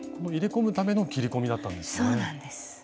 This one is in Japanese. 入れ込むための切り込みだったんですね。